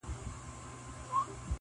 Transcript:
ډېر نا اهله بد کرداره او بد خوی ؤ,